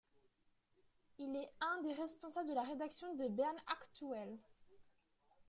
Il est un des responsables de la rédaction de BernAktuell.